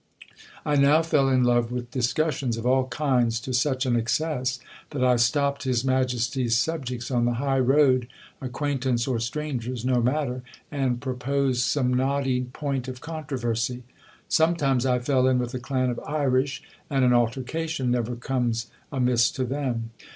I now fell in love with discussions of all kinds to such an excess, that I stopped his Majesty's subjects on the high road, acquaintance or strangers, no matter ! and proposed some knotty point of controversy. Sometimes I fell in with a clan of Irish, and an altercation never comes amiss to them